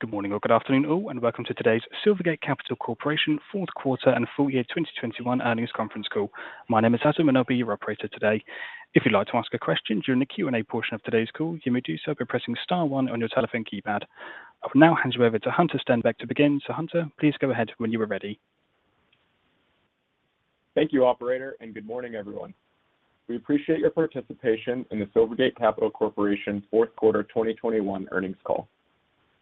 Good morning or good afternoon all, and welcome to today's Silvergate Capital Corporation fourth quarter and full-year 2021 earnings conference call. My name is Adam, and I'll be your operator today. If you'd like to ask a question during the Q&A portion of today's call, you may do so by pressing star one on your telephone keypad. I will now hand you over to Hunter Stenback to begin. Hunter, please go ahead when you are ready. Thank you, operator, and good morning, everyone. We appreciate your participation in the Silvergate Capital Corporation fourth quarter 2021 earnings call.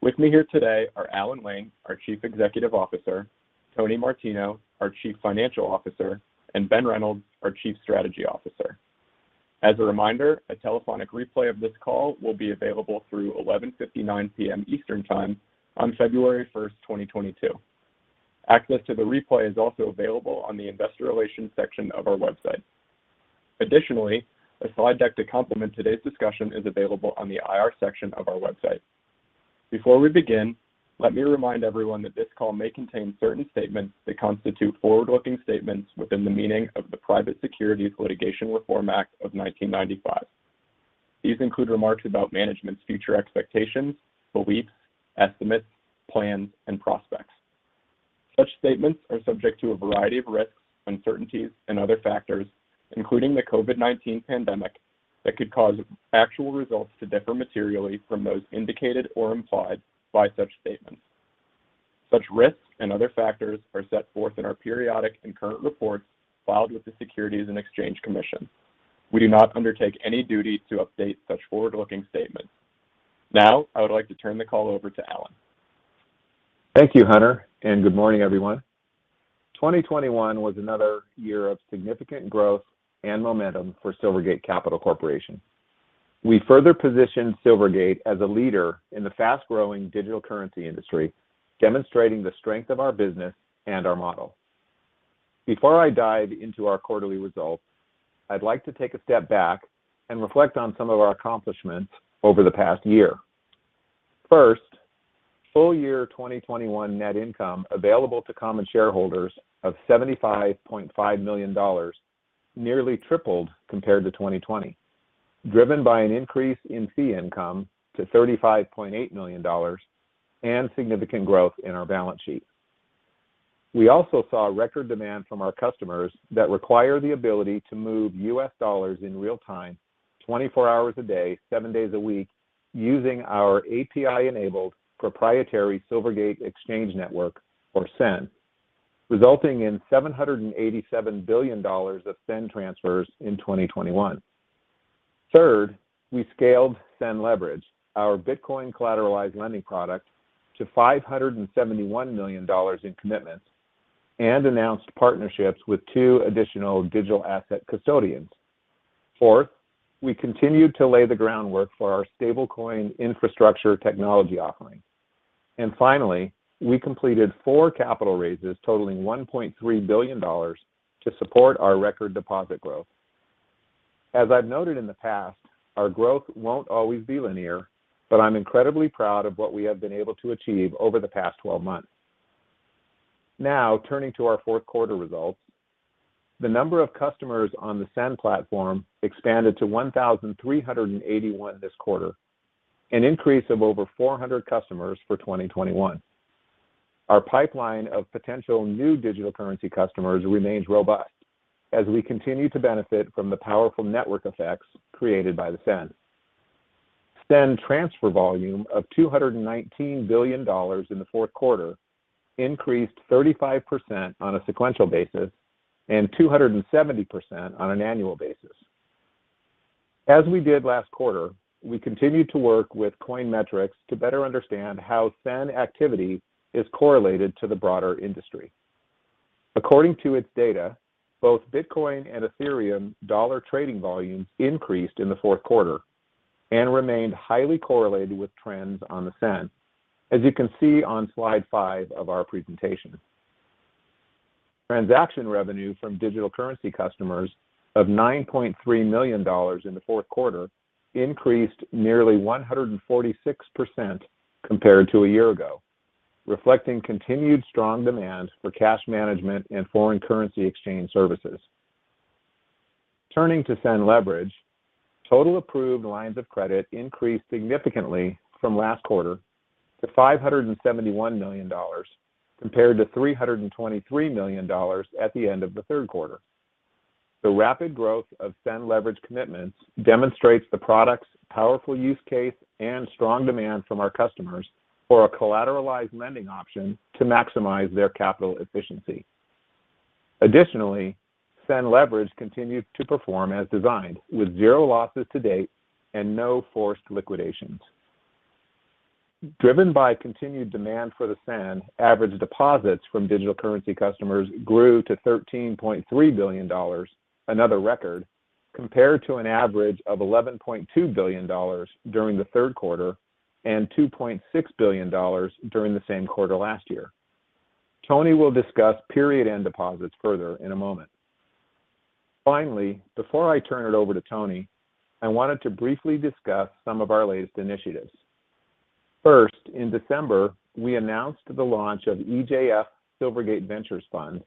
With me here today are Alan Lane, our Chief Executive Officer, Tony Martino, our Chief Financial Officer, and Ben Reynolds, our Chief Strategy Officer. As a reminder, a telephonic replay of this call will be available through 11:59 P.M. Eastern Time on February 1st, 2022. Access to the replay is also available on the Investor Relations section of our website. Additionally, a slide deck to complement today's discussion is available on the IR section of our website. Before we begin, let me remind everyone that this call may contain certain statements that constitute forward-looking statements within the meaning of the Private Securities Litigation Reform Act of 1995. These include remarks about management's future expectations, beliefs, estimates, plans, and prospects. Such statements are subject to a variety of risks, uncertainties and other factors, including the COVID-19 pandemic, that could cause actual results to differ materially from those indicated or implied by such statements. Such risks and other factors are set forth in our periodic and current reports filed with the Securities and Exchange Commission. We do not undertake any duty to update such forward-looking statements. Now, I would like to turn the call over to Alan. Thank you, Hunter, and good morning, everyone. 2021 was another year of significant growth and momentum for Silvergate Capital Corporation. We further positioned Silvergate as a leader in the fast-growing digital currency industry, demonstrating the strength of our business and our model. Before I dive into our quarterly results, I'd like to take a step back and reflect on some of our accomplishments over the past year. First, full-year 2021 net income available to common shareholders of $75.5 million nearly tripled compared to 2020, driven by an increase in fee income to $35.8 million and significant growth in our balance sheet. We also saw record demand from our customers that require the ability to move U.S. dollars in real time, 24 hours a day, seven days a week, using our API-enabled proprietary Silvergate Exchange Network, or SEN, resulting in $787 billion of SEN transfers in 2021. Third, we scaled SEN Leverage, our Bitcoin collateralized lending product, to $571 million in commitments and announced partnerships with two additional digital asset custodians. Fourth, we continued to lay the groundwork for our stablecoin infrastructure technology offering. Finally, we completed four capital raises totaling $1.3 billion to support our record deposit growth. As I've noted in the past, our growth won't always be linear, but I'm incredibly proud of what we have been able to achieve over the past 12 months. Now, turning to our fourth quarter results, the number of customers on the SEN platform expanded to 1,381 this quarter, an increase of over 400 customers for 2021. Our pipeline of potential new digital currency customers remains robust as we continue to benefit from the powerful network effects created by the SEN. SEN transfer volume of $219 billion in the fourth quarter increased 35% on a sequential basis and 270% on an annual basis. As we did last quarter, we continued to work with Coin Metrics to better understand how SEN activity is correlated to the broader industry. According to its data, both Bitcoin and Ethereum dollar trading volumes increased in the fourth quarter and remained highly correlated with trends on the SEN, as you can see on slide five of our presentation. Transaction revenue from digital currency customers of $9.3 million in the fourth quarter increased nearly 146% compared to a year ago, reflecting continued strong demand for cash management and foreign currency exchange services. Turning to SEN Leverage, total approved lines of credit increased significantly from last quarter to $571 million compared to $323 million at the end of the third quarter. The rapid growth of SEN Leverage commitments demonstrates the product's powerful use case and strong demand from our customers for a collateralized lending option to maximize their capital efficiency. Additionally, SEN Leverage continued to perform as designed with zero losses to date and no forced liquidations. Driven by continued demand for the SEN, average deposits from digital currency customers grew to $13.3 billion, another record, compared to an average of $11.2 billion during the third quarter and $2.6 billion during the same quarter last year. Tony will discuss period-end deposits further in a moment. Finally, before I turn it over to Tony, I wanted to briefly discuss some of our latest initiatives. First, in December, we announced the launch of EJF Silvergate Ventures Fund,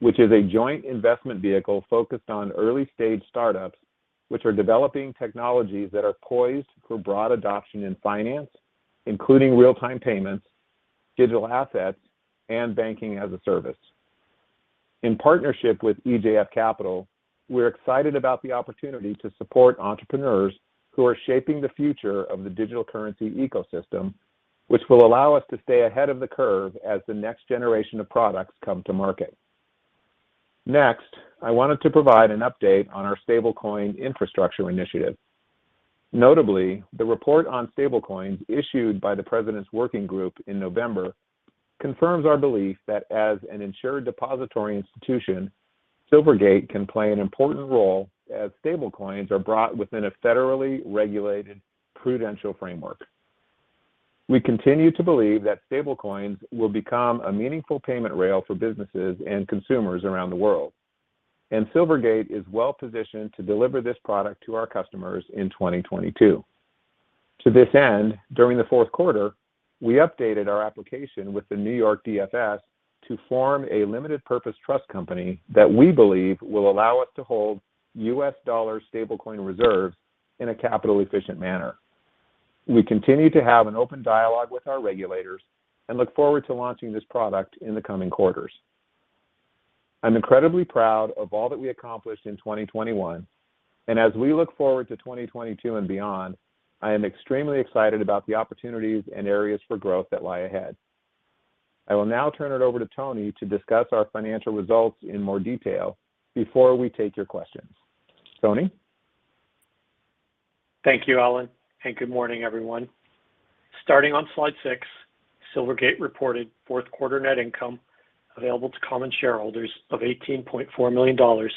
which is a joint investment vehicle focused on early-stage startups which are developing technologies that are poised for broad adoption in finance, including real-time payments, digital assets, and banking-as-a-service. In partnership with EJF Capital, we're excited about the opportunity to support entrepreneurs who are shaping the future of the digital currency ecosystem, which will allow us to stay ahead of the curve as the next generation of products come to market. Next, I wanted to provide an update on our stablecoin infrastructure initiative. Notably, the report on stablecoins issued by the President's Working Group in November confirms our belief that as an insured depository institution, Silvergate can play an important role as stablecoins are brought within a federally regulated prudential framework. We continue to believe that stablecoins will become a meaningful payment rail for businesses and consumers around the world, and Silvergate is well-positioned to deliver this product to our customers in 2022. To this end, during the fourth quarter, we updated our application with the New York DFS to form a limited purpose trust company that we believe will allow us to hold U.S. dollar stablecoin reserves in a capital-efficient manner. We continue to have an open dialogue with our regulators and look forward to launching this product in the coming quarters. I'm incredibly proud of all that we accomplished in 2021, and as we look forward to 2022 and beyond, I am extremely excited about the opportunities and areas for growth that lie ahead. I will now turn it over to Tony to discuss our financial results in more detail before we take your questions. Tony? Thank you, Alan, and good morning, everyone. Starting on slide six, Silvergate reported fourth quarter net income available to common shareholders of $18.4 million or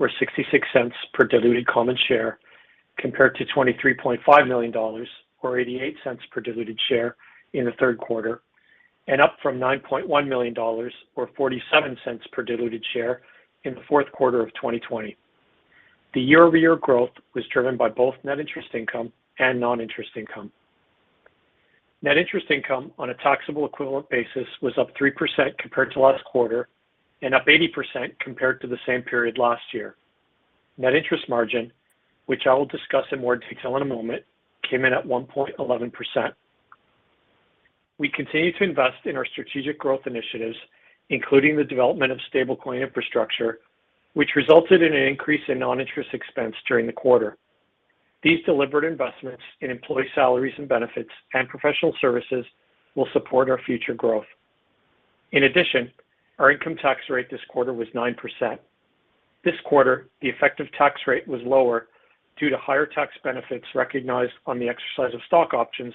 $0.66 per diluted common share compared to $23.5 million or $0.88 per diluted share in the third quarter, and up from $9.1 million or $0.47 per diluted share in the fourth quarter of 2020. The year-over-year growth was driven by both net interest income and non-interest income. Net interest income on a taxable equivalent basis was up 3% compared to last quarter and up 80% compared to the same period last year. Net interest margin, which I will discuss in more detail in a moment, came in at 1.11%. We continue to invest in our strategic growth initiatives, including the development of stablecoin infrastructure, which resulted in an increase in non-interest expense during the quarter. These deliberate investments in employee salaries and benefits and professional services will support our future growth. In addition, our income tax rate this quarter was 9%. This quarter, the effective tax rate was lower due to higher tax benefits recognized on the exercise of stock options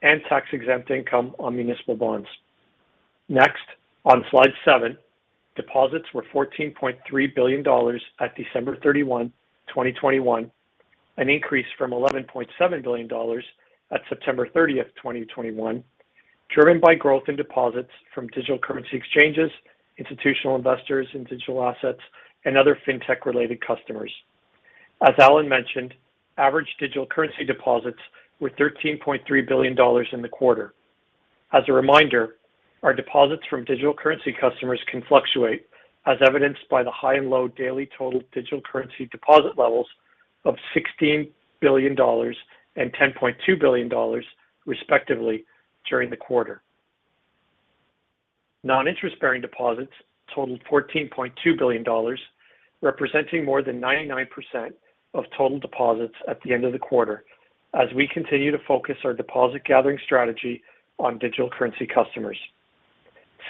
and tax-exempt income on municipal bonds. Next, on slide seven, deposits were $14.3 billion at December 31, 2021, an increase from $11.7 billion at September 30th, 2021, driven by growth in deposits from digital currency exchanges, institutional investors in digital assets, and other fintech-related customers. As Alan mentioned, average digital currency deposits were $13.3 billion in the quarter. As a reminder, our deposits from digital currency customers can fluctuate, as evidenced by the high and low daily total digital currency deposit levels of $16 billion and $10.2 billion, respectively, during the quarter. Non-interest-bearing deposits totaled $14.2 billion, representing more than 99% of total deposits at the end of the quarter, as we continue to focus our deposit gathering strategy on digital currency customers.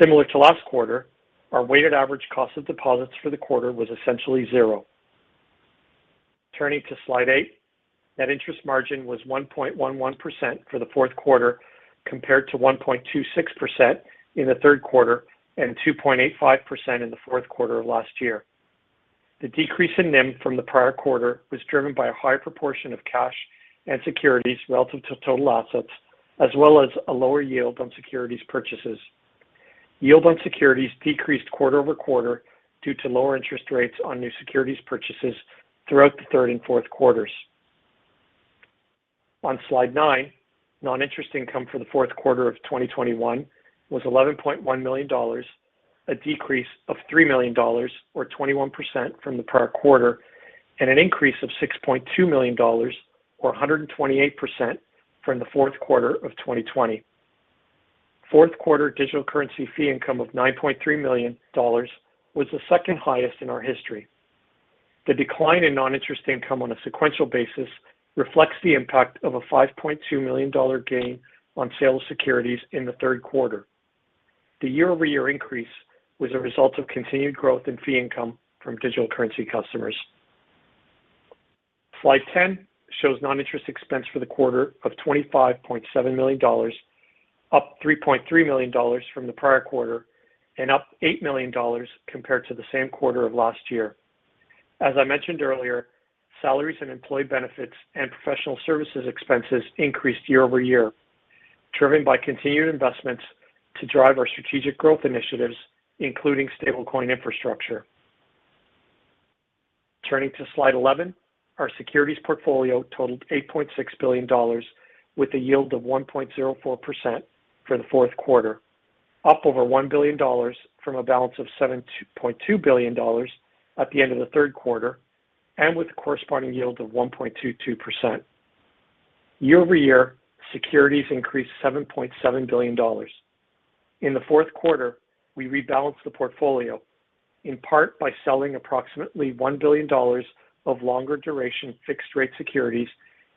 Similar to last quarter, our weighted average cost of deposits for the quarter was essentially zero. Turning to slide eight, net interest margin was 1.11% for the fourth quarter compared to 1.26% in the third quarter and 2.85% in the fourth quarter of last year. The decrease in NIM from the prior quarter was driven by a higher proportion of cash and securities relative to total assets, as well as a lower yield on securities purchases. Yield on securities decreased quarter-over-quarter due to lower interest rates on new securities purchases throughout the third and fourth quarters. On slide nine, non-interest income for the fourth quarter of 2021 was $11.1 million, a decrease of $3 million or 21% from the prior quarter and an increase of $6.2 million or 128% from the fourth quarter of 2020. Fourth quarter digital currency fee income of $9.3 million was the second highest in our history. The decline in non-interest income on a sequential basis reflects the impact of a $5.2 million gain on sale of securities in the third quarter. The year-over-year increase was a result of continued growth in fee income from digital currency customers. Slide 10 shows non-interest expense for the quarter of $25.7 million, up $3.3 million from the prior quarter and up $8 million compared to the same quarter of last year. As I mentioned earlier, salaries and employee benefits and professional services expenses increased year-over-year, driven by continued investments to drive our strategic growth initiatives, including stablecoin infrastructure. Turning to slide 11, our securities portfolio totaled $8.6 billion with a yield of 1.04% for the fourth quarter, up over $1 billion from a balance of $7.2 billion at the end of the third quarter, and with a corresponding yield of 1.22%. Year-over-year, securities increased $7.7 billion. In the fourth quarter, we rebalanced the portfolio, in part by selling approximately $1 billion of longer duration fixed-rate securities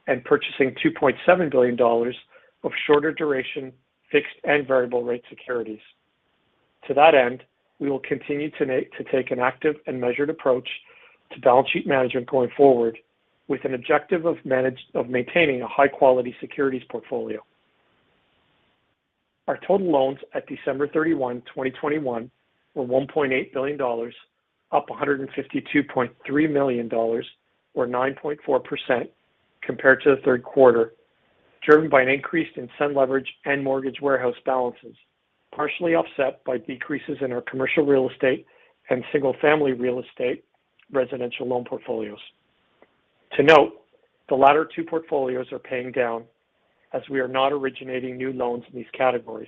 and purchasing $2.7 billion of shorter duration fixed and variable rate securities. To that end, we will continue to take an active and measured approach to balance sheet management going forward with an objective of maintaining a high-quality securities portfolio. Our total loans at December 31, 2021 were $1.8 billion, up $152.3 million or 9.4% compared to the third quarter, driven by an increase in SEN Leverage and mortgage warehouse balances, partially offset by decreases in our commercial real estate and single-family real estate residential loan portfolios. To note, the latter two portfolios are paying down as we are not originating new loans in these categories.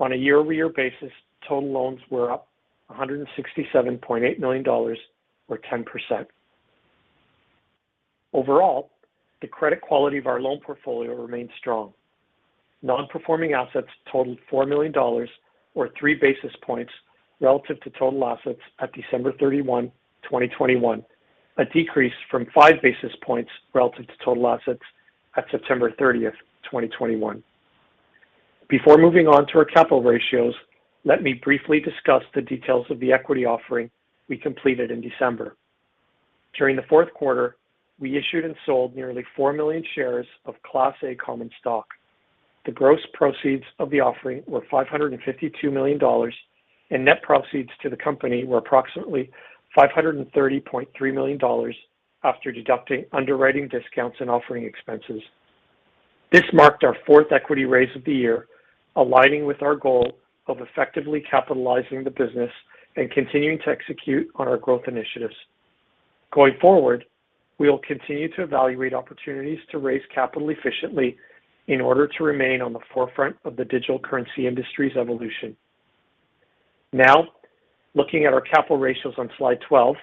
On a year-over-year basis, total loans were up $167.8 million or 10%. Overall, the credit quality of our loan portfolio remains strong. Non-performing assets totaled $4 million or 3 basis points relative to total assets at December 31, 2021, a decrease from 5 basis points relative to total assets at September 30th, 2021. Before moving on to our capital ratios, let me briefly discuss the details of the equity offering we completed in December. During the fourth quarter, we issued and sold nearly 4 million shares of Class A common stock. The gross proceeds of the offering were $552 million, and net proceeds to the company were approximately $530.3 million after deducting underwriting discounts and offering expenses. This marked our fourth equity raise of the year, aligning with our goal of effectively capitalizing the business and continuing to execute on our growth initiatives. Going forward, we will continue to evaluate opportunities to raise capital efficiently in order to remain on the forefront of the digital currency industry's evolution. Now, looking at our capital ratios on slide 12,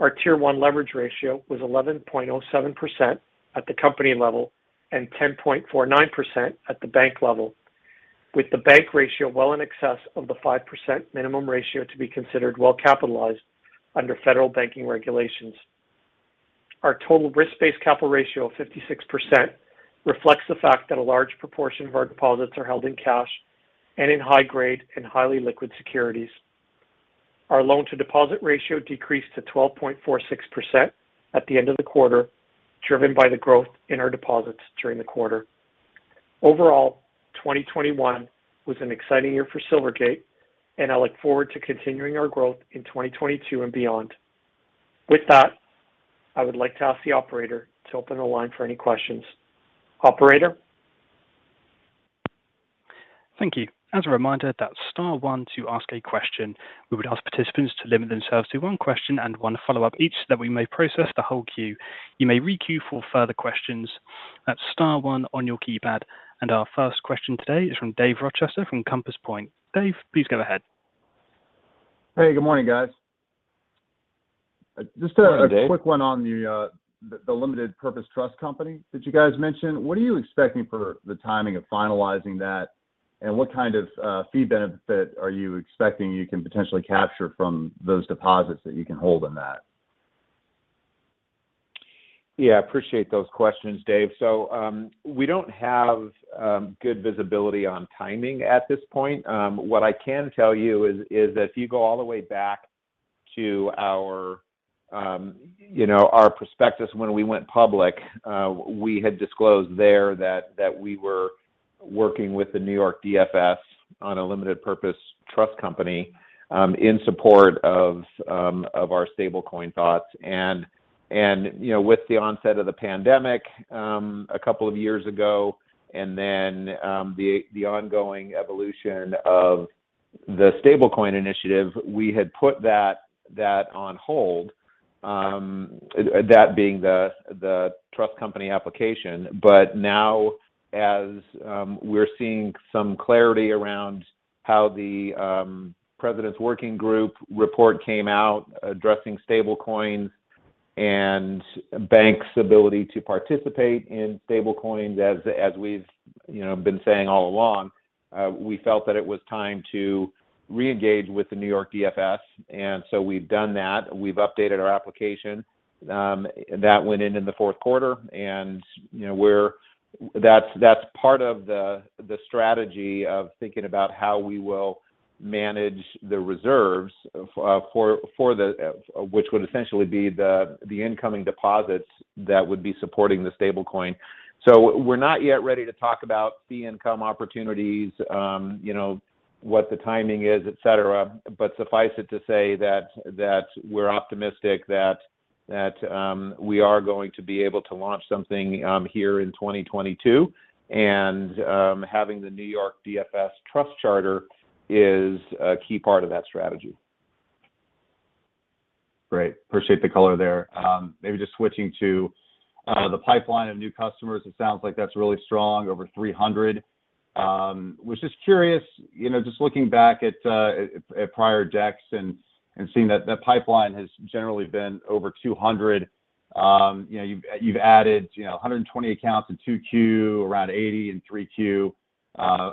our tier one leverage ratio was 11.07% at the company level and 10.49% at the bank level, with the bank ratio well in excess of the 5% minimum ratio to be considered well-capitalized under federal banking regulations. Our total risk-based capital ratio of 56% reflects the fact that a large proportion of our deposits are held in cash and in high grade and highly liquid securities. Our loan to deposit ratio decreased to 12.46% at the end of the quarter, driven by the growth in our deposits during the quarter. Overall, 2021 was an exciting year for Silvergate, and I look forward to continuing our growth in 2022 and beyond. With that, I would like to ask the operator to open the line for any questions. Operator? Thank you. As a reminder, that's star one to ask a question. We would ask participants to limit themselves to one question and one follow-up each so that we may process the whole queue. You may re-queue for further questions. That's star one on your keypad. Our first question today is from Dave Rochester from Compass Point. Dave, please go ahead. Hey, good morning, guys. Good morning, Dave. Just a quick one on the limited purpose trust company that you guys mentioned. What are you expecting for the timing of finalizing that? And what kind of fee benefit are you expecting you can potentially capture from those deposits that you can hold in that? Yeah, appreciate those questions, Dave. We don't have good visibility on timing at this point. What I can tell you is if you go all the way back to our you know our prospectus when we went public, we had disclosed there that we were working with the New York DFS on a limited purpose trust company in support of our stablecoin thoughts. You know, with the onset of the pandemic a couple of years ago and then the ongoing evolution of the stablecoin initiative, we had put that on hold, that being the trust company application. Now, as we're seeing some clarity around how the president's working group report came out addressing stablecoins and banks' ability to participate in stablecoins as we've, you know, been saying all along, we felt that it was time to reengage with the New York DFS. We've done that. We've updated our application that went in in the fourth quarter. You know, that's part of the strategy of thinking about how we will manage the reserves for the incoming deposits that would be supporting the stablecoin. We're not yet ready to talk about fee income opportunities, you know, what the timing is, et cetera. Suffice it to say that we're optimistic that we are going to be able to launch something here in 2022. Having the New York DFS trust charter is a key part of that strategy. Great. Appreciate the color there. Maybe just switching to the pipeline of new customers, it sounds like that's really strong, over 300. Was just curious, you know, just looking back at prior decks and seeing that the pipeline has generally been over 200. You know, you've added 120 accounts in 2Q, around 80 in 3Q,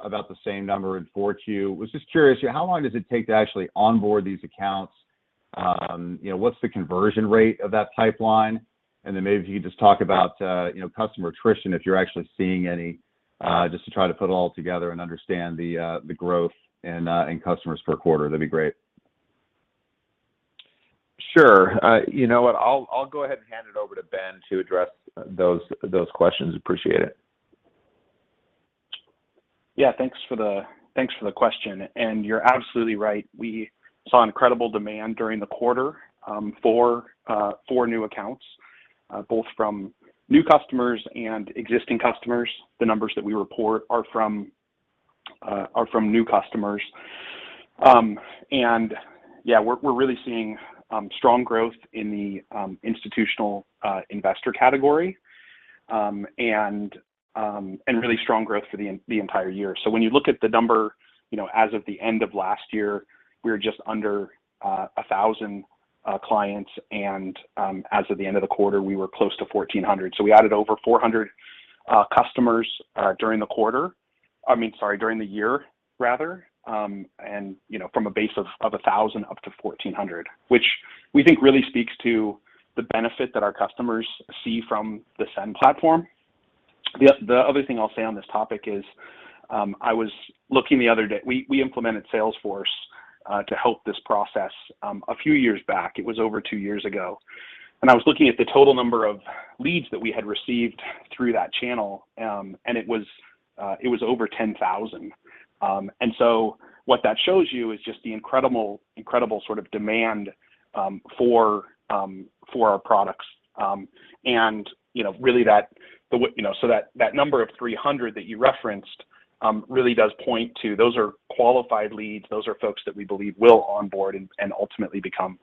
about the same number in 4Q. Was just curious, how long does it take to actually onboard these accounts? You know, what's the conversion rate of that pipeline? Maybe if you could just talk about, you know, customer attrition, if you're actually seeing any, just to try to put it all together and understand the growth and customers per quarter, that'd be great. Sure. You know what, I'll go ahead and hand it over to Ben to address those questions. Appreciate it. Thanks for the question, and you're absolutely right. We saw incredible demand during the quarter for new accounts both from new customers and existing customers. The numbers that we report are from new customers. Yeah, we're really seeing strong growth in the institutional investor category and really strong growth for the entire year. When you look at the number, you know, as of the end of last year, we were just under 1,000 clients. As of the end of the quarter, we were close to 1,400. We added over 400 customers during the quarter. I mean, sorry, during the year rather. You know, from a base of 1,000 up to 1,400, which we think really speaks to the benefit that our customers see from the SEN platform. The other thing I'll say on this topic is, I was looking the other day, we implemented Salesforce to help this process a few years back. It was over two years ago, and I was looking at the total number of leads that we had received through that channel, and it was over 10,000. So what that shows you is just the incredible sort of demand for our products. You know, really, so that number of 300 that you referenced really does point to those are qualified leads. Those are folks that we believe will onboard and ultimately become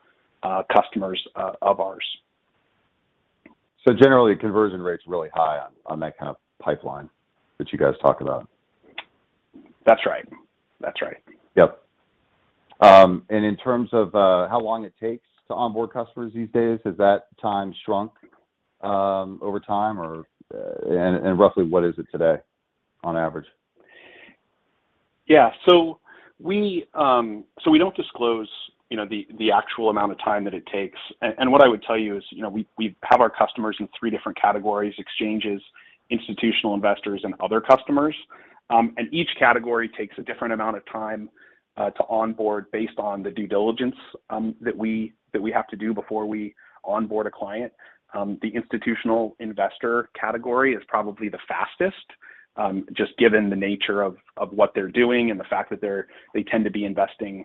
customers of ours. Generally, conversion rate's really high on that kind of pipeline that you guys talk about. That's right. Yep. In terms of how long it takes to onboard customers these days, has that time shrunk over time or and roughly what is it today on average? We don't disclose, you know, the actual amount of time that it takes. What I would tell you is, you know, we have our customers in three different categories, exchanges, institutional investors, and other customers. Each category takes a different amount of time to onboard based on the due diligence that we have to do before we onboard a client. The institutional investor category is probably the fastest, just given the nature of what they're doing and the fact that they tend to be investing,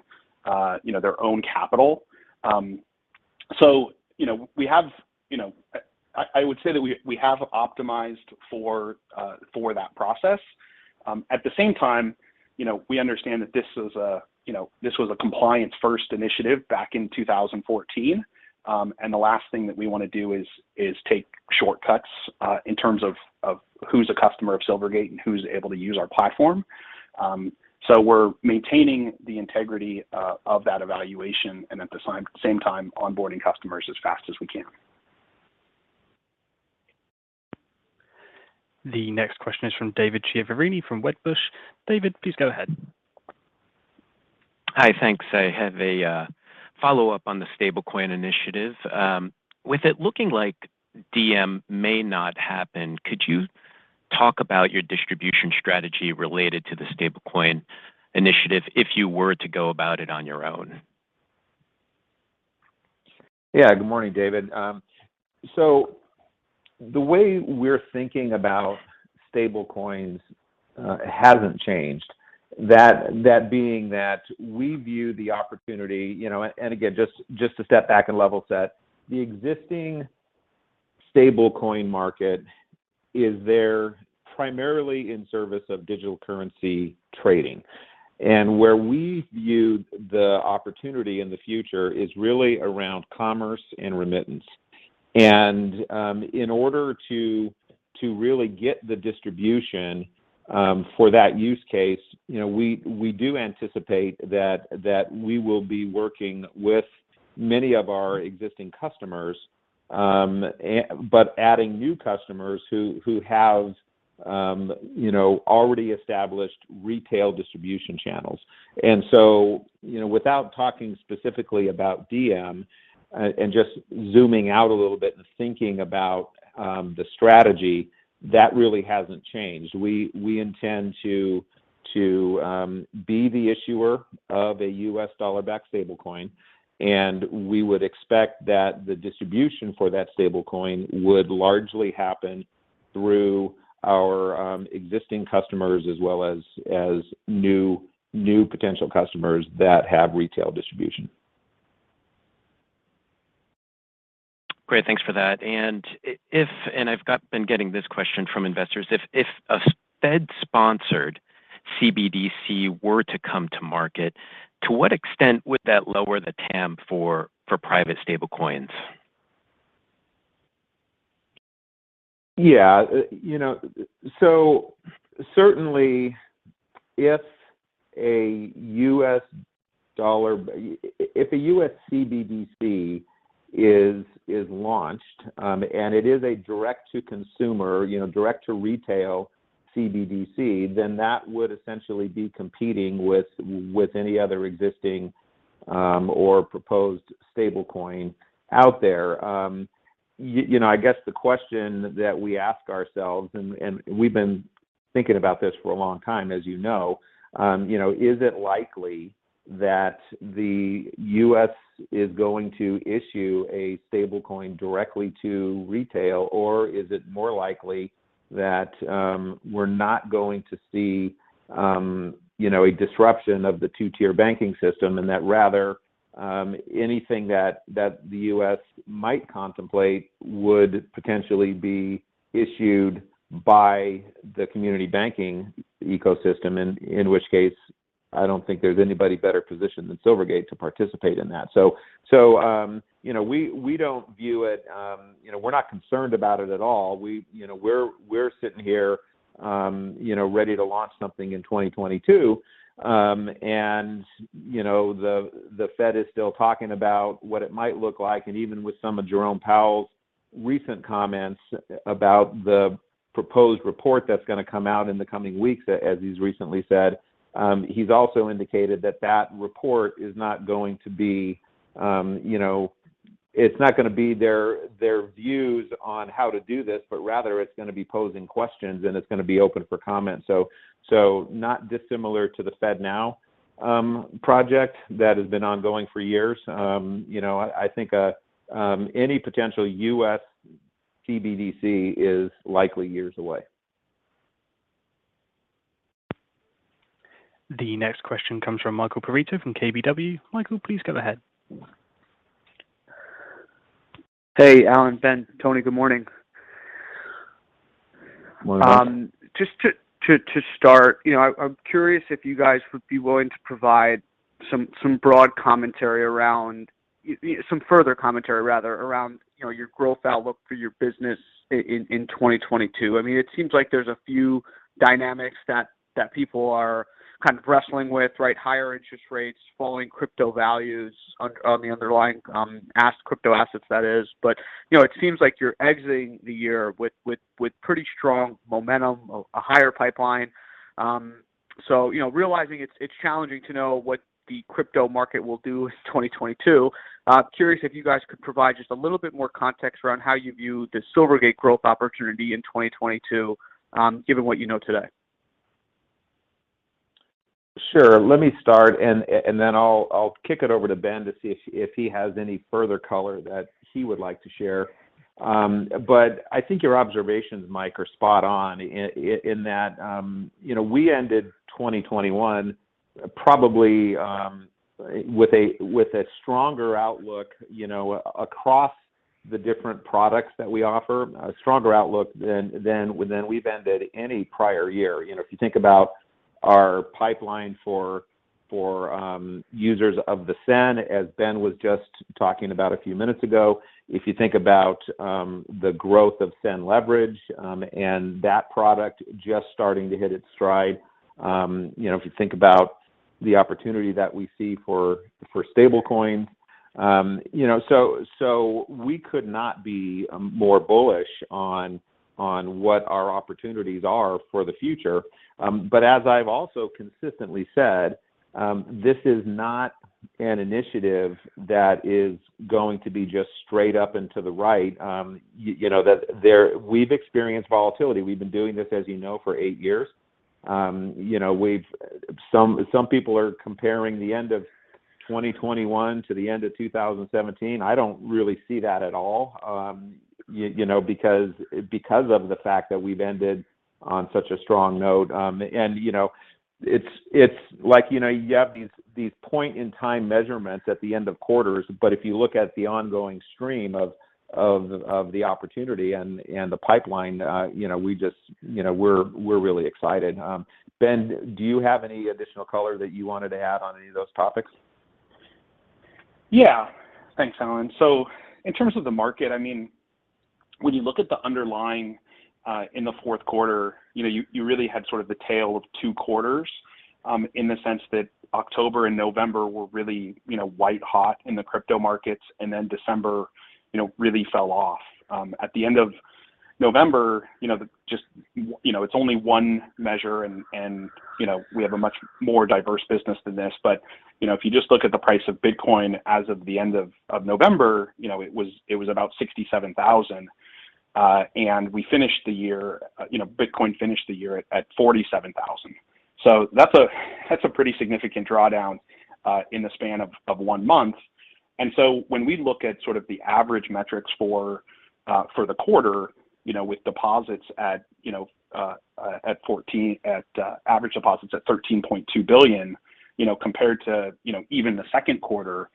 you know, their own capital. You know, we have, you know, I would say that we have optimized for that process. At the same time, you know, we understand that this was a compliance first initiative back in 2014. The last thing that we wanna do is take shortcuts in terms of who's a customer of Silvergate and who's able to use our platform. We're maintaining the integrity of that evaluation and at the same time onboarding customers as fast as we can. The next question is from David Chiaverini from Wedbush. David, please go ahead. Hi. Thanks. I have a follow-up on the stablecoin initiative. With it looking like Diem may not happen, could you talk about your distribution strategy related to the stablecoin initiative if you were to go about it on your own? Yeah. Good morning, David. So the way we're thinking about stablecoins hasn't changed. That being that we view the opportunity, you know, and again, just to step back and level set, the existing stablecoin market is there primarily in service of digital currency trading. Where we view the opportunity in the future is really around commerce and remittance. In order to really get the distribution for that use case, you know, we do anticipate that we will be working with many of our existing customers, but adding new customers who have, you know, already established retail distribution channels. You know, without talking specifically about Diem, and just zooming out a little bit and thinking about the strategy, that really hasn't changed. We intend to be the issuer of a U.S. dollar-backed stablecoin, and we would expect that the distribution for that stablecoin would largely happen through our existing customers as well as new potential customers that have retail distribution. Great. Thanks for that. I've been getting this question from investors. If a Fed-sponsored CBDC were to come to market, to what extent would that lower the TAM for private stablecoins? Yeah. You know, certainly if a U.S. CBDC is launched, and it is a direct to consumer, you know, direct to retail CBDC, then that would essentially be competing with any other existing or proposed stablecoin out there. You know, I guess the question that we ask ourselves, and we've been thinking about this for a long time, as you know, you know, is it likely that the U.S. is going to issue a stablecoin directly to retail, or is it more likely that we're not going to see a disruption of the two-tier banking system and that rather anything that the U.S. might contemplate would potentially be issued by the community banking ecosystem? In which case, I don't think there's anybody better positioned than Silvergate to participate in that. You know, we don't view it, you know, we're not concerned about it at all. We, you know, we're sitting here, you know, ready to launch something in 2022. You know, the Fed is still talking about what it might look like. Even with some of Jerome Powell's recent comments about the proposed report that's gonna come out in the coming weeks, as he's recently said, he's also indicated that that report is not going to be, you know, it's not gonna be their views on how to do this, but rather it's gonna be posing questions, and it's gonna be open for comment. Not dissimilar to the FedNow project that has been ongoing for years. You know, I think any potential U.S. CBDC is likely years away. The next question comes from Michael Perito from KBW. Michael, please go ahead. Hey, Alan, Ben, Tony. Good morning. Morning. Just to start, you know, I'm curious if you guys would be willing to provide some further commentary rather around, you know, your growth outlook for your business in 2022. I mean, it seems like there's a few dynamics that people are kind of wrestling with, right? Higher interest rates, falling crypto values on the underlying crypto assets that is. You know, it seems like you're exiting the year with pretty strong momentum, a higher pipeline. You know, realizing it's challenging to know what the crypto market will do in 2022. Curious if you guys could provide just a little bit more context around how you view the Silvergate growth opportunity in 2022, given what you know today. Sure. Let me start, and then I'll kick it over to Ben to see if he has any further color that he would like to share. I think your observations, Mike, are spot on in that, you know, we ended 2021 probably with a stronger outlook, you know, across the different products that we offer. A stronger outlook than we've ended any prior year. You know, if you think about our pipeline for users of the SEN, as Ben was just talking about a few minutes ago, if you think about the growth of SEN Leverage and that product just starting to hit its stride. You know, if you think about the opportunity that we see for stablecoins, you know. We could not be more bullish on what our opportunities are for the future. As I've also consistently said, this is not an initiative that is going to be just straight up and to the right. We've experienced volatility. We've been doing this, as you know, for eight years. Some people are comparing the end of 2021 to the end of 2017. I don't really see that at all, because of the fact that we've ended on such a strong note. It's like you have these point in time measurements at the end of quarters. If you look at the ongoing stream of the opportunity and the pipeline, you know, we just, you know, we're really excited. Ben, do you have any additional color that you wanted to add on any of those topics? Yeah. Thanks, Alan. In terms of the market, I mean, when you look at the underlying in the fourth quarter, you know, you really had sort of the tale of two quarters in the sense that October and November were really, you know, white-hot in the crypto markets, and then December, you know, really fell off. At the end of November, you know, just, you know, it's only one measure and, you know, we have a much more diverse business than this, but, you know, if you just look at the price of Bitcoin as of the end of November, you know, it was about $67,000. We finished the year, you know, Bitcoin finished the year at $47,000. That's a pretty significant drawdown in the span of one month. When we look at sort of the average metrics for the quarter, you know, with deposits at you know average deposits at $13.2 billion, you know, compared to you know even the second quarter,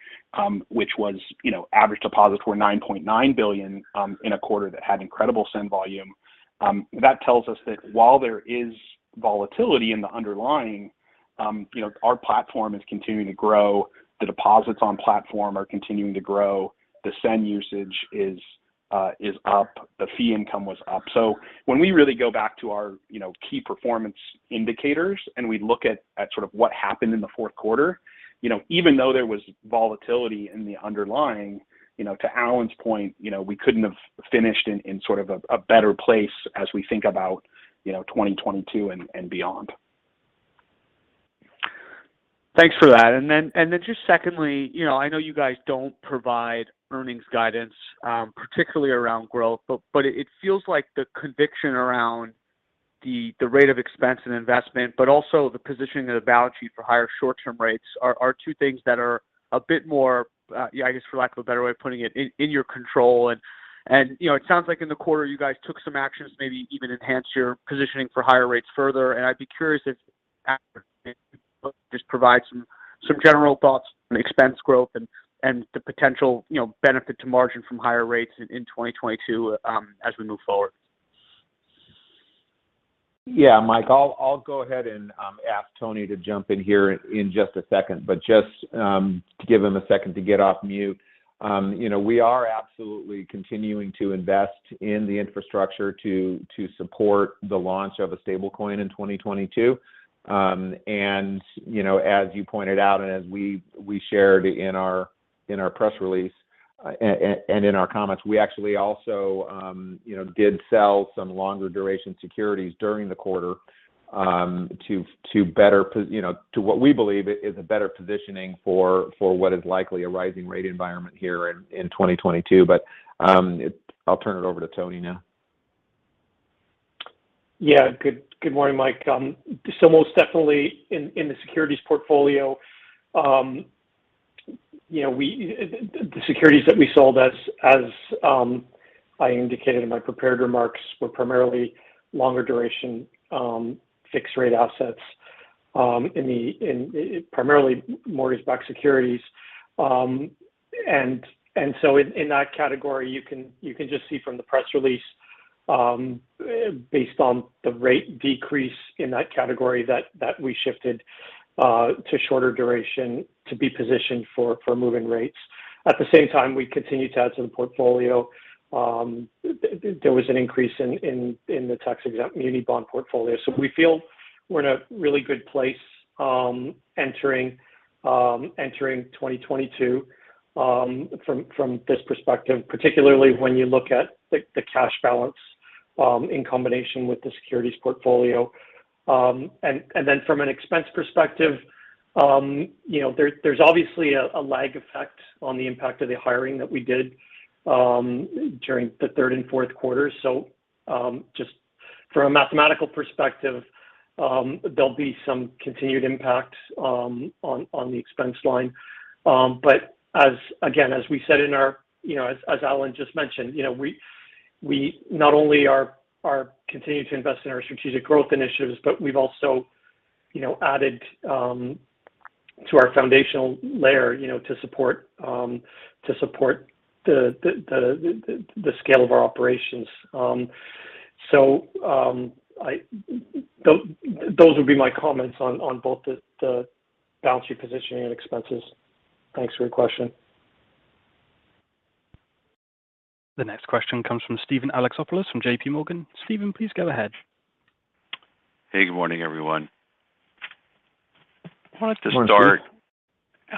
which was you know average deposits were $9.9 billion in a quarter that had incredible SEN volume. That tells us that while there is volatility in the underlying you know our platform is continuing to grow, the deposits on platform are continuing to grow. The SEN usage is up. The fee income was up. When we really go back to our, you know, key performance indicators and we look at sort of what happened in the fourth quarter, you know, even though there was volatility in the underlying, you know, to Alan's point, you know, we couldn't have finished in sort of a better place as we think about, you know, 2022 and beyond. Thanks for that. Just secondly, you know, I know you guys don't provide earnings guidance, particularly around growth, but it feels like the conviction around the rate of expense and investment, but also the positioning of the balance sheet for higher short-term rates are two things that are a bit more, I guess for lack of a better way of putting it, in your control. You know, it sounds like in the quarter you guys took some actions, maybe even enhanced your positioning for higher rates further. I'd be curious if you just provide some general thoughts on expense growth and the potential, you know, benefit to margin from higher rates in 2022, as we move forward. Yeah. Mike, I'll go ahead and ask Tony to jump in here in just a second, but just to give him a second to get off mute. You know, we are absolutely continuing to invest in the infrastructure to support the launch of a stablecoin in 2022. You know, as you pointed out, and as we shared in our press release, and in our comments, we actually also did sell some longer duration securities during the quarter, to better position you know, to what we believe is a better positioning for what is likely a rising rate environment here in 2022. I'll turn it over to Tony now. Yeah. Good morning, Mike. So most definitely in the securities portfolio, you know, the securities that we sold, as I indicated in my prepared remarks, were primarily longer duration fixed rate assets, primarily mortgage-backed securities. And so in that category you can just see from the press release, based on the rate decrease in that category that we shifted to shorter duration to be positioned for moving rates. At the same time, we continued to add to the portfolio. There was an increase in the tax-exempt muni bond portfolio. We feel we're in a really good place, entering 2022, from this perspective, particularly when you look at the cash balance, in combination with the securities portfolio. Then from an expense perspective, you know, there's obviously a lag effect on the impact of the hiring that we did, during the third and fourth quarters. Just from a mathematical perspective, there'll be some continued impact, on the expense line. Again, as we said, you know, as Alan just mentioned, you know, we not only are continuing to invest in our strategic growth initiatives, but we've also added to our foundational layer, you know, to support the scale of our operations. Those would be my comments on both the balance sheet positioning and expenses. Thanks for your question. The next question comes from Steven Alexopoulos from JPMorgan. Steven, please go ahead. Hey, good morning, everyone. I wanted to start. Good morning, Steve.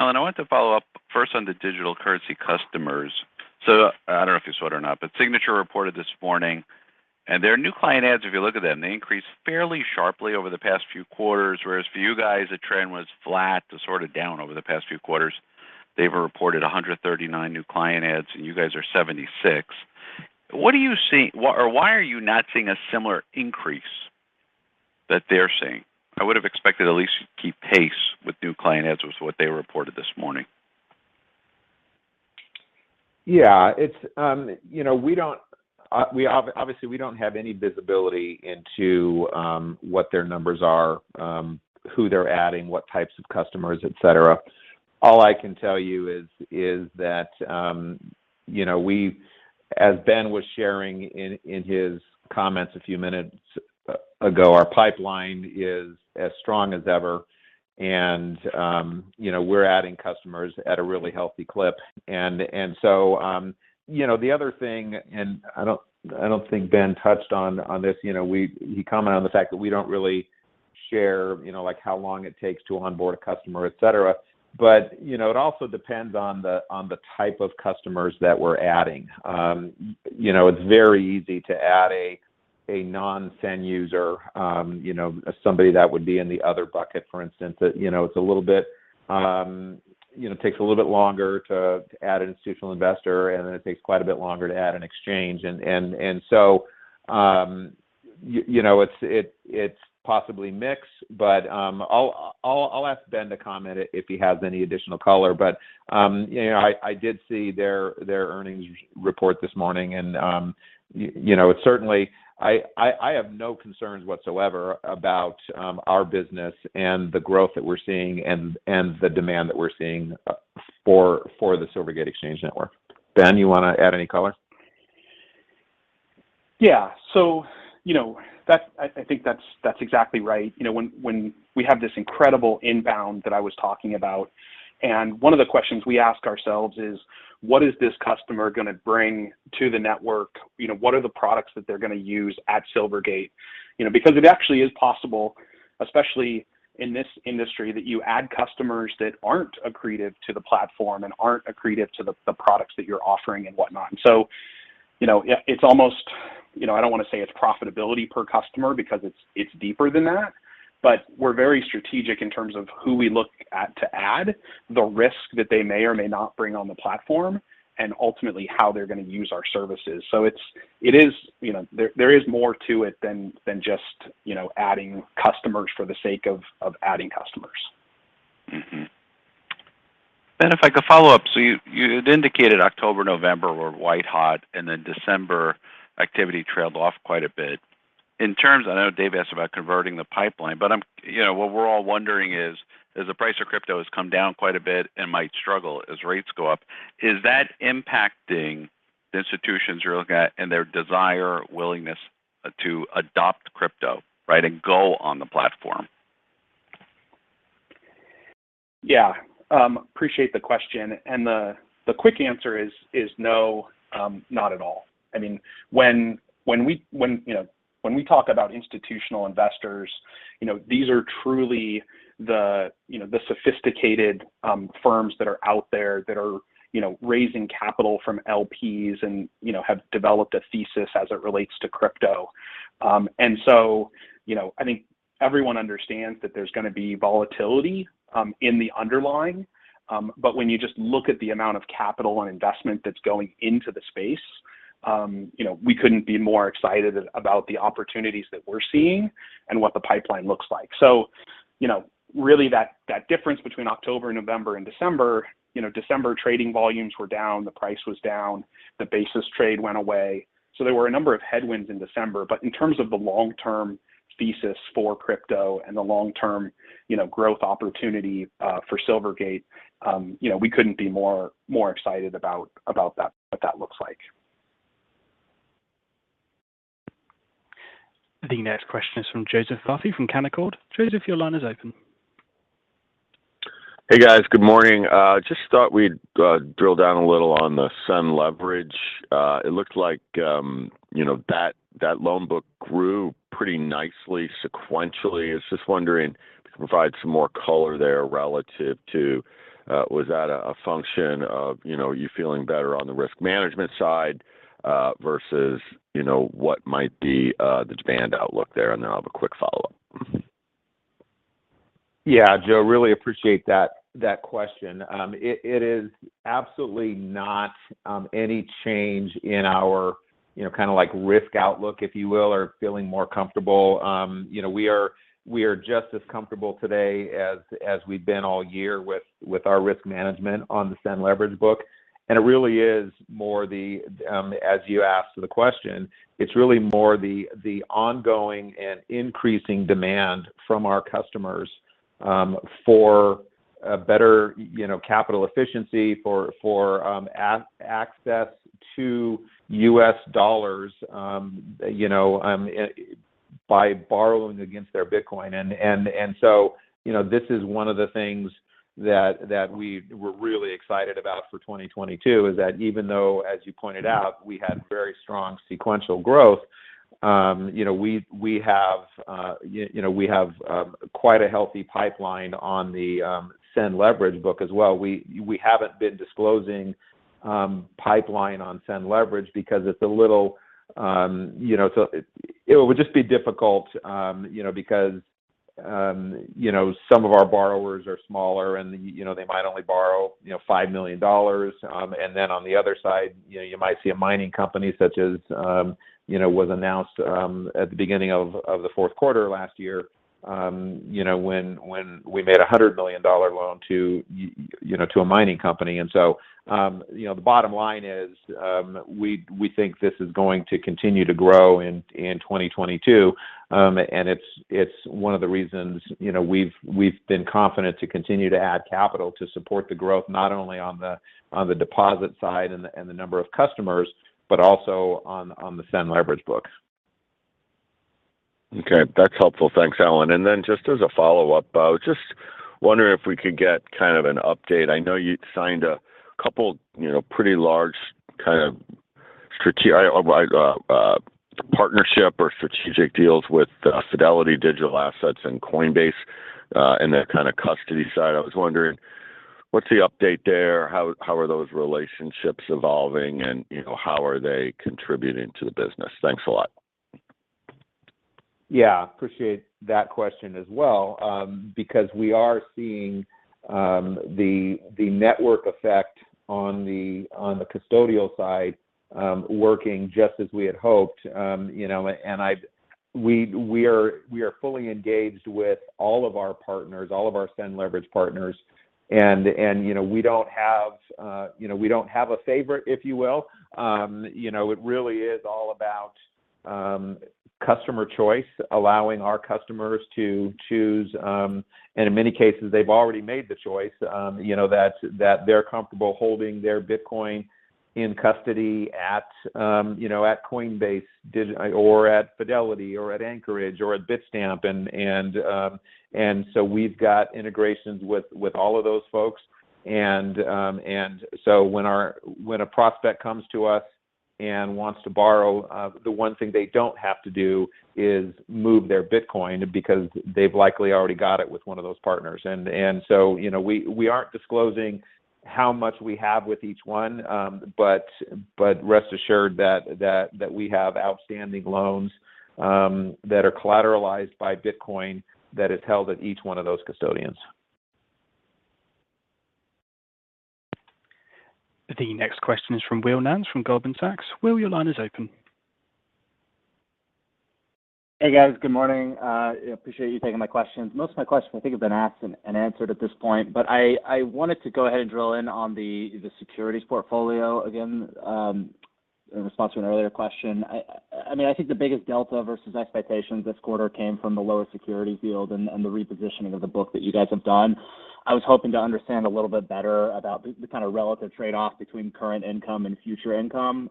Alan, I wanted to follow up first on the digital currency customers. I don't know if you saw it or not, but Signature reported this morning, and their new client adds, if you look at them, they increased fairly sharply over the past few quarters. Whereas for you guys, the trend was flat to sort of down over the past few quarters. They've reported 139 new client adds, and you guys are 76. What do you see or why are you not seeing a similar increase that they're seeing? I would have expected at least you keep pace with new client adds with what they reported this morning. Yeah. It's you know, we obviously don't have any visibility into what their numbers are, who they're adding, what types of customers, et cetera. All I can tell you is that you know, as Ben was sharing in his comments a few minutes ago, our pipeline is as strong as ever and you know, we're adding customers at a really healthy clip. You know, the other thing, and I don't think Ben touched on this, you know. He commented on the fact that we don't really share you know, like, how long it takes to onboard a customer, et cetera. You know, it also depends on the type of customers that we're adding. You know, it's very easy to add a non-SEN user, somebody that would be in the other bucket, for instance. You know, it takes a little bit longer to add an institutional investor, and then it takes quite a bit longer to add an exchange. You know, it's possibly mixed, but I'll ask Ben to comment if he has any additional color. You know, I did see their earnings report this morning, and you know, it's certainly. I have no concerns whatsoever about our business and the growth that we're seeing and the demand that we're seeing for the Silvergate Exchange Network. Ben, you wanna add any color? Yeah, you know, that's, I think that's exactly right. You know, when we have this incredible inbound that I was talking about, and one of the questions we ask ourselves is, "What is this customer gonna bring to the network? You know, what are the products that they're gonna use at Silvergate?" You know, because it actually is possible, especially in this industry, that you add customers that aren't accretive to the platform and aren't accretive to the products that you're offering and whatnot. You know, it's almost, you know, I don't wanna say it's profitability per customer because it's deeper than that, but we're very strategic in terms of who we look at to add, the risk that they may or may not bring on the platform, and ultimately how they're gonna use our services. It is, you know. There is more to it than just, you know, adding customers for the sake of adding customers. Mm-hmm. Ben, if I could follow up. You had indicated October, November were white hot, and then December activity trailed off quite a bit. In terms, I know Dave asked about converting the pipeline, but I'm, you know, what we're all wondering is, as the price of crypto has come down quite a bit and might struggle as rates go up, is that impacting the institutions you're looking at and their desire, willingness to adopt crypto, right, and go on the platform? Yeah. Appreciate the question. The quick answer is no, not at all. I mean, when we talk about institutional investors, you know, these are truly the sophisticated firms that are out there that are, you know, raising capital from LPs and, you know, have developed a thesis as it relates to crypto. You know, I think everyone understands that there's gonna be volatility in the underlying, but when you just look at the amount of capital and investment that's going into the space, you know, we couldn't be more excited about the opportunities that we're seeing and what the pipeline looks like. You know, really that difference between October, November and December, you know, December trading volumes were down, the price was down, the basis trade went away. There were a number of headwinds in December. In terms of the long-term thesis for crypto and the long-term, you know, growth opportunity for Silvergate, you know, we couldn't be more excited about that, what that looks like. The next question is from Joseph Vafi from Canaccord. Joseph, your line is open. Hey, guys. Good morning. Just thought we'd drill down a little on the SEN Leverage. It looked like, you know, that loan book grew pretty nicely sequentially. I was just wondering if you could provide some more color there relative to, was that a function of, you know, you feeling better on the risk management side, versus, you know, what might be, the demand outlook there? Then I'll have a quick follow-up. Yeah, Joe, really appreciate that question. It is absolutely not any change in our, you know, kinda like risk outlook, if you will, or feeling more comfortable. You know, we are just as comfortable today as we've been all year with our risk management on the SEN Leverage book, and it really is more the, as you asked the question, it's really more the ongoing and increasing demand from our customers for a better, you know, capital efficiency for access to U.S. dollars, you know, by borrowing against their Bitcoin. This is one of the things that we were really excited about for 2022, is that even though, as you pointed out, we had very strong sequential growth, you know, we have quite a healthy pipeline on the SEN Leverage book as well. We haven't been disclosing pipeline on SEN Leverage because it's a little, you know, it would just be difficult, you know, because, you know, some of our borrowers are smaller and, you know, they might only borrow, you know, $5 million. On the other side, you know, you might see a mining company such as was announced at the beginning of the fourth quarter last year, you know, when we made a $100 million loan to a mining company. The bottom line is, we think this is going to continue to grow in 2022. It's one of the reasons, you know, we've been confident to continue to add capital to support the growth, not only on the deposit side and the number of customers, but also on the SEN Leverage book. Okay, that's helpful. Thanks, Alan. Just as a follow-up, I was just wondering if we could get kind of an update. I know you signed a couple, you know, pretty large kind of partnership or strategic deals with Fidelity Digital Assets and Coinbase, in that kind of custody side. I was wondering what's the update there? How are those relationships evolving? You know, how are they contributing to the business? Thanks a lot. Yeah. I appreciate that question as well, because we are seeing the network effect on the custodial side, working just as we had hoped. You know, we are fully engaged with all of our partners, all of our SEN Leverage partners. You know, we don't have a favorite, if you will. You know, it really is all about customer choice, allowing our customers to choose. In many cases, they've already made the choice, you know, that they're comfortable holding their Bitcoin in custody at, you know, at Coinbase or at Fidelity or at Anchorage or at Bitstamp. We've got integrations with all of those folks. When a prospect comes to us and wants to borrow, the one thing they don't have to do is move their Bitcoin because they've likely already got it with one of those partners. You know, we aren't disclosing how much we have with each one, but rest assured that we have outstanding loans that are collateralized by Bitcoin that is held at each one of those custodians. The next question is from Will Nance from Goldman Sachs. Will, your line is open. Hey, guys. Good morning. I appreciate you taking my questions. Most of my questions I think have been asked and answered at this point. I wanted to go ahead and drill in on the securities portfolio again, in response to an earlier question. I mean, I think the biggest delta versus expectations this quarter came from the lower security yield and the repositioning of the book that you guys have done. I was hoping to understand a little bit better about the kind of relative trade-off between current income and future income.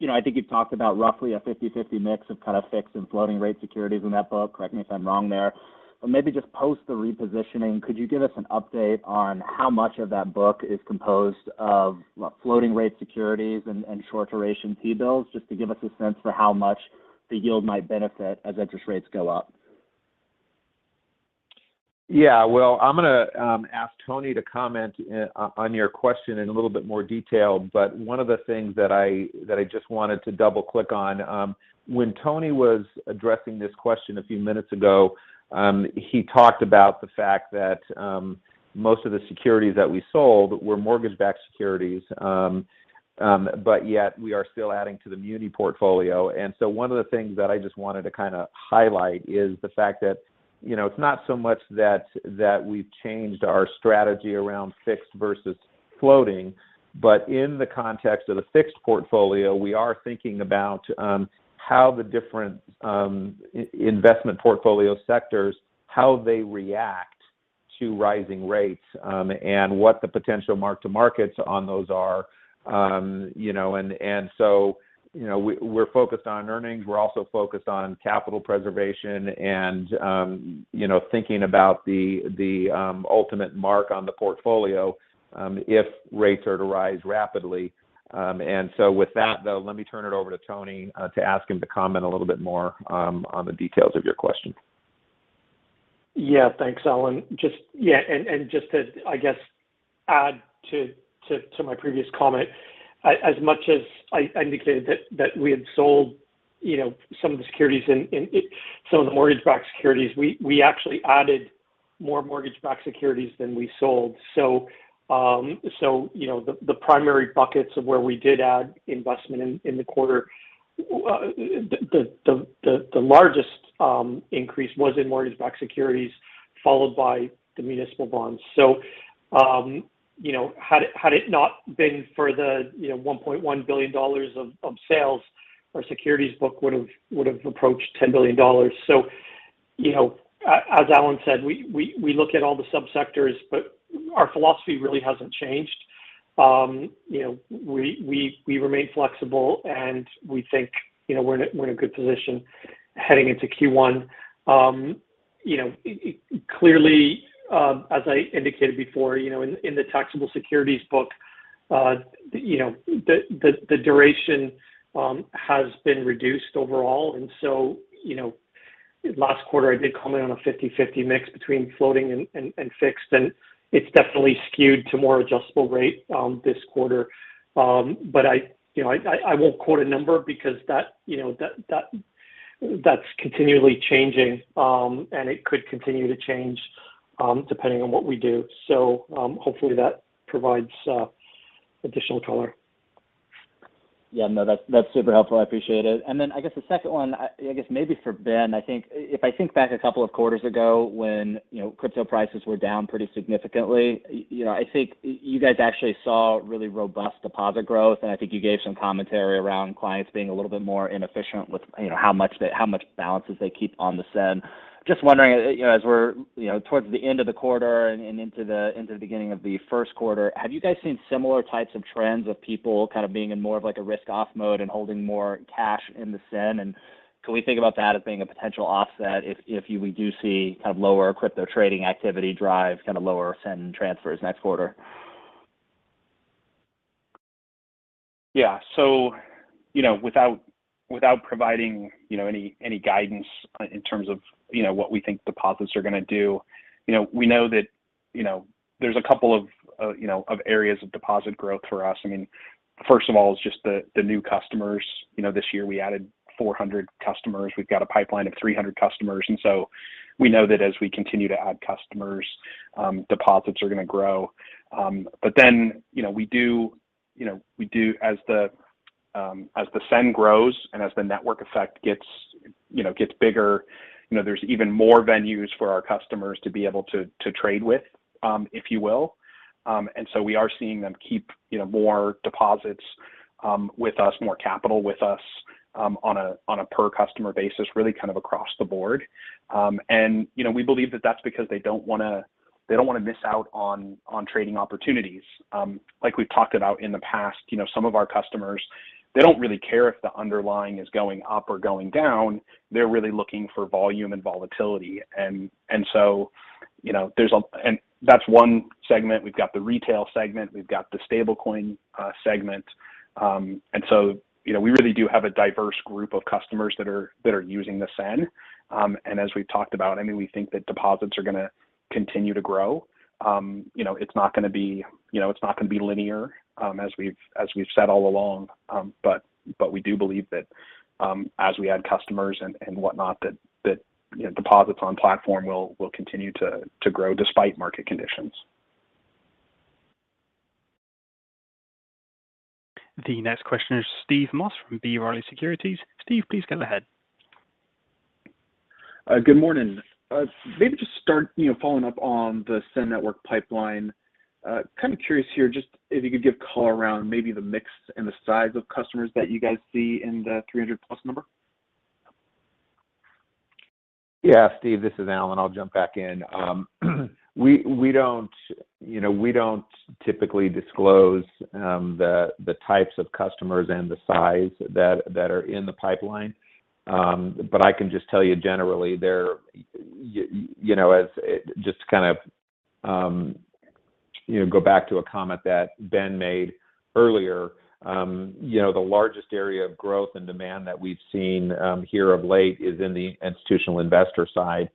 You know, I think you've talked about roughly a 50/50 mix of kind of fixed and floating rate securities in that book, correct me if I'm wrong there. Maybe just post the repositioning, could you give us an update on how much of that book is composed of floating rate securities and short duration T-bills, just to give us a sense for how much the yield might benefit as interest rates go up? Yeah. Well, I'm gonna ask Tony to comment on your question in a little bit more detail. One of the things that I just wanted to double-click on, when Tony was addressing this question a few minutes ago, he talked about the fact that most of the securities that we sold were mortgage-backed securities. But yet we are still adding to the muni portfolio. One of the things that I just wanted to kinda highlight is the fact that, you know, it's not so much that we've changed our strategy around fixed versus floating, but in the context of the fixed portfolio, we are thinking about how the different investment portfolio sectors, how they react to rising rates, and what the potential mark-to-markets on those are. We're focused on earnings. We're also focused on capital preservation and thinking about the ultimate mark on the portfolio if rates are to rise rapidly. With that, though, let me turn it over to Tony to ask him to comment a little bit more on the details of your question. Yeah. Thanks, Alan. Just to add to my previous comment, as much as I indicated that we had sold, you know, some of the securities and some of the mortgage-backed securities, we actually added more mortgage-backed securities than we sold. You know, the primary buckets of where we did add investment in the quarter, the largest increase was in mortgage-backed securities, followed by the municipal bonds. You know, had it not been for the, you know, $1.1 billion of sales, our securities book would've approached $10 billion. You know, as Alan said, we look at all the subsectors, but our philosophy really hasn't changed. You know, we remain flexible, and we think, you know, we're in a good position heading into Q1. You know, clearly, as I indicated before, you know, in the taxable securities book, you know, the duration has been reduced overall. You know, last quarter, I did comment on a 50/50 mix between floating and fixed, and it's definitely skewed to more adjustable rate this quarter. I won't quote a number because that, you know, that's continually changing, and it could continue to change depending on what we do. Hopefully, that provides additional color. Yeah, no, that's super helpful. I appreciate it. Then I guess the second one, I guess maybe for Ben. I think back a couple of quarters ago when, you know, crypto prices were down pretty significantly, you know, I think you guys actually saw really robust deposit growth, and I think you gave some commentary around clients being a little bit more inefficient with, you know, how much balances they keep on the SEN. Just wondering, you know, as we're, you know, towards the end of the quarter and into the beginning of the first quarter, have you guys seen similar types of trends of people kind of being in more of, like, a risk-off mode and holding more cash in the SEN? Can we think about that as being a potential offset if we do see kind of lower crypto trading activity drive kind of lower SEN transfers next quarter? Yeah. You know, without providing any guidance in terms of what we think deposits are gonna do, you know, we know that there's a couple of areas of deposit growth for us. I mean, first of all is just the new customers. You know, this year we added 400 customers. We've got a pipeline of 300 customers. We know that as we continue to add customers, deposits are gonna grow. You know, we do as the SEN grows and as the network effect gets bigger, you know, there's even more venues for our customers to be able to trade with, if you will. We are seeing them keep, you know, more deposits with us, more capital with us, on a per customer basis, really kind of across the board. We believe that that's because they don't wanna miss out on trading opportunities. Like we've talked about in the past, you know, some of our customers, they don't really care if the underlying is going up or going down. They're really looking for volume and volatility. That's one segment. We've got the retail segment. We've got the stablecoin segment. We really do have a diverse group of customers that are using the SEN. As we've talked about, I mean, we think that deposits are gonna continue to grow. You know, it's not gonna be, you know, it's not gonna be linear, as we've said all along. We do believe that, as we add customers and whatnot, that you know, deposits on platform will continue to grow despite market conditions. The next question is Steve Moss from B. Riley Securities. Steve, please go ahead. Good morning. Maybe just start, you know, following up on the SEN network pipeline. Kind of curious here, just if you could give color around maybe the mix and the size of customers that you guys see in the 300+ number. Yeah. Steve, this is Alan. I'll jump back in. We don't, you know, we don't typically disclose the types of customers and the size that are in the pipeline. But I can just tell you generally there, you know, as just to kind of, you know, go back to a comment that Ben made earlier, you know, the largest area of growth and demand that we've seen here of late is in the institutional investor side.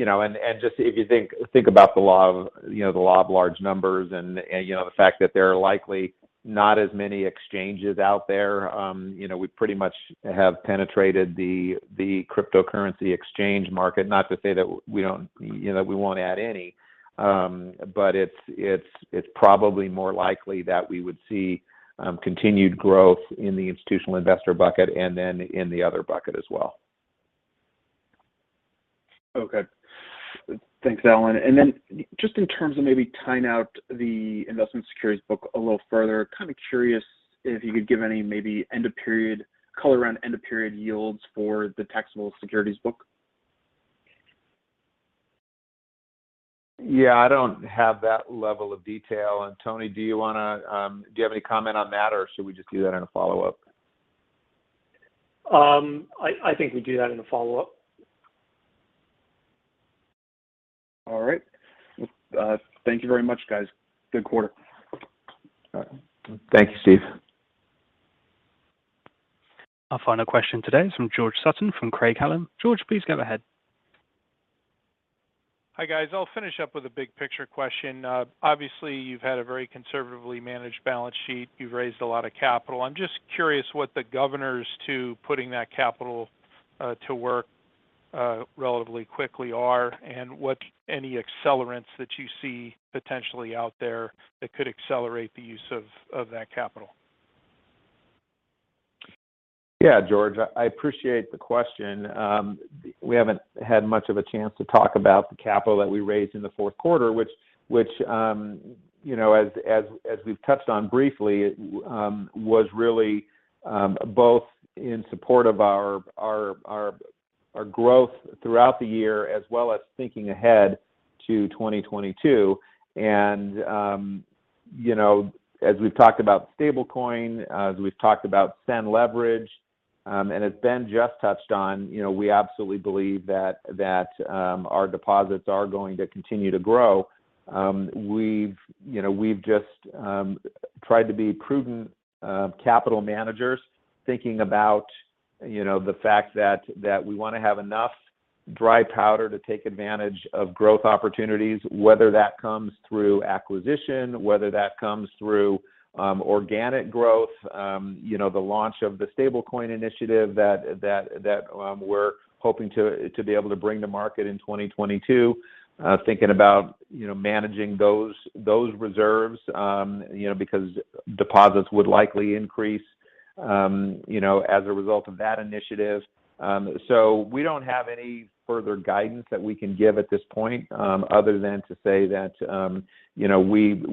You know, and just if you think about the law of, you know, the law of large numbers and, you know, the fact that there are likely not as many exchanges out there, you know, we pretty much have penetrated the cryptocurrency exchange market. Not to say that we don't, you know, we won't add any, but it's probably more likely that we would see continued growth in the institutional investor bucket and then in the other bucket as well. Okay. Thanks, Alan. Just in terms of maybe tying out the investment securities book a little further, kind of curious if you could give any maybe end of period color around end of period yields for the taxable securities book? Yeah, I don't have that level of detail. Tony, do you have any comment on that, or should we just do that in a follow-up? I think we do that in a follow-up. All right. Well, thank you very much, guys. Good quarter. Thank you, Steve. Our final question today is from George Sutton from Craig-Hallum. George, please go ahead. Hi, guys. I'll finish up with a big picture question. Obviously, you've had a very conservatively managed balance sheet. You've raised a lot of capital. I'm just curious what governs the putting that capital to work relatively quickly are and what any accelerants that you see potentially out there that could accelerate the use of that capital. Yeah, George, I appreciate the question. We haven't had much of a chance to talk about the capital that we raised in the fourth quarter, which you know, as we've touched on briefly, was really both in support of our growth throughout the year as well as thinking ahead to 2022. You know, as we've talked about stablecoin, as we've talked about SEN Leverage, and as Ben just touched on, you know, we absolutely believe that our deposits are going to continue to grow. We've just tried to be prudent capital managers thinking about the fact that we want to have enough dry powder to take advantage of growth opportunities, whether that comes through acquisition, whether that comes through organic growth, you know, the launch of the stablecoin initiative that we're hoping to be able to bring to market in 2022. Thinking about managing those reserves because deposits would likely increase as a result of that initiative. We don't have any further guidance that we can give at this point other than to say that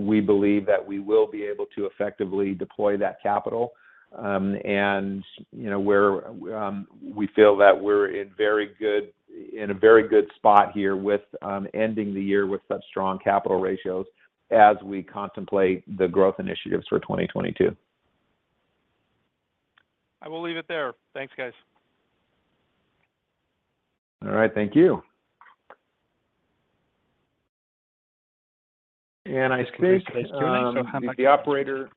we believe that we will be able to effectively deploy that capital. You know, we feel that we're in a very good spot here with ending the year with such strong capital ratios as we contemplate the growth initiatives for 2022. I will leave it there. Thanks, guys. All right. Thank you. I think the operator.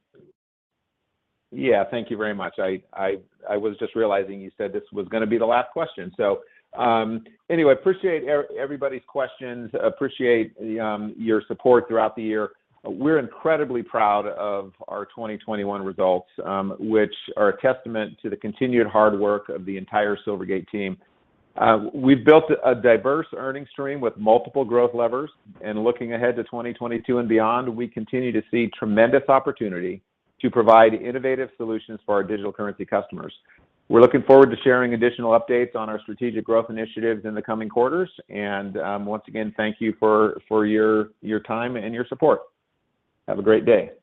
Yeah. Thank you very much. I was just realizing you said this was going to be the last question. Anyway, appreciate everybody's questions. Appreciate your support throughout the year. We're incredibly proud of our 2021 results, which are a testament to the continued hard work of the entire Silvergate team. We've built a diverse earnings stream with multiple growth levers. Looking ahead to 2022 and beyond, we continue to see tremendous opportunity to provide innovative solutions for our digital currency customers. We're looking forward to sharing additional updates on our strategic growth initiatives in the coming quarters. Once again, thank you for your time and your support. Have a great day.